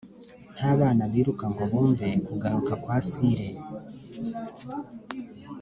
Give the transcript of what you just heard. nta bana biruka ngo bumve kugaruka kwa sire,